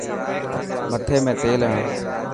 مٿي ۾ تيل هڻ.